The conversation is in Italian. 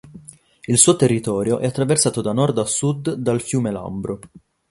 Il suo territorio è attraversato da nord a sud dal fiume Lambro.